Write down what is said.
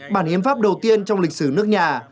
bản hiến pháp đầu tiên trong lịch sử nước nhà